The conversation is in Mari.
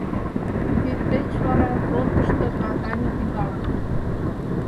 Тиддеч вара фронтышто братаний тӱҥалын.